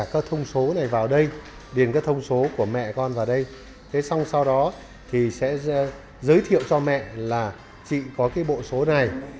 chị có cái bộ số này